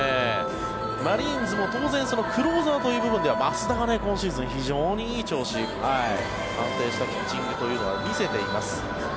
マリーンズも当然クローザーという部分では益田が今シーズン非常にいい調子安定したピッチングというのを見せています。